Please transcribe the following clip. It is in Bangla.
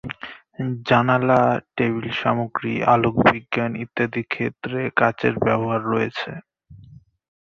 জানালা, টেবিল সামগ্রী, আলোকবিজ্ঞান ইত্যাদি ক্ষেত্রে কাচের ব্যবহার রয়েছে।